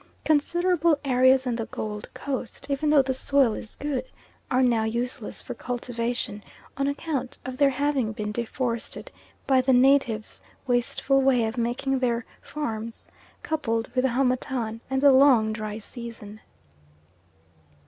Considerable areas on the Gold Coast, even though the soil is good, are now useless for cultivation, on account of their having been deforested by the natives' wasteful way of making their farms, coupled with the harmattan and the long dry season.